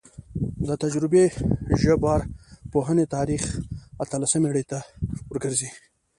د تجربوي ژبارواپوهنې تاریخ اتلسمې پیړۍ ته ورګرځي